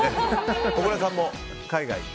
小倉さんも海外。